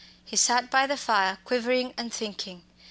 He sat by the fire quivering and thinking.